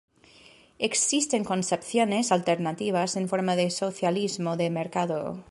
Existen concepciones alternativas en forma de socialismo de mercado.